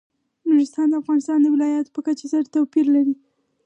نورستان د افغانستان د ولایاتو په کچه توپیر لري.